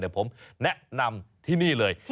เดี๋ยวผมแนะนำที่นี่เลย